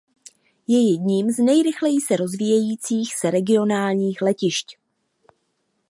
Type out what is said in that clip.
Je jedním z nejrychleji se rozvíjejících se regionálních letišť.